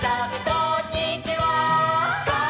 「こんにちは」